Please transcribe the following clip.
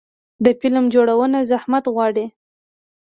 د فلم جوړونه زحمت غواړي.